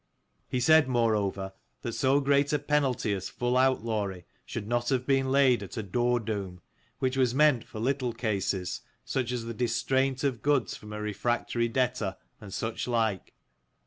He said moreover that so great a penalty as full outlawry should not have been laid at a door doom, which was meant for little cases, such as the distraint of goods from a refractory debtor, and such like.